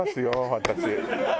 私。